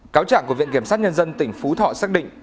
cáo trạng của viện kiểm sát nhân dân tỉnh phú thọ xác định